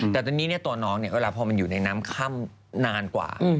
แต่ตอนนี้ตัวน้องเนี่ยเวลาพอมันอยู่ในน้ำค่ำนานกว่า